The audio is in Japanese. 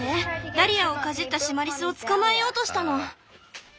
ダリアをかじったシマリスを捕まえようとしたの！